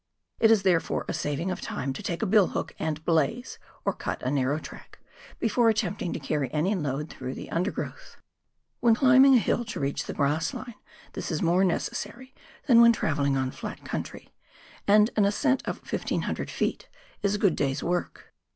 It is therefore a saving of time to take a billhook and " blaze," or cut a narrow track, before attempting to carry any load through the undergrowth. When climbing a hill to reach the grass line this is more necessary than when travelling on flat country, and an ascent of 1,500 ft. is a good day's work.